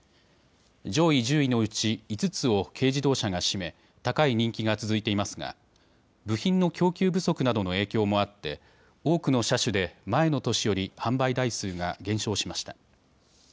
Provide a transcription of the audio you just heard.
上位１０位のうち５つを軽自動車が占め高い人気が続いていますが部品の供給不足などの影響もあって多くの車種で前の年より販売台数が減少しました。